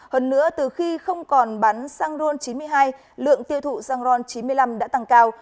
hơn nữa từ khi không còn bán xăng ron chín mươi hai lượng tiêu thụ xăng ron chín mươi năm đã tăng cao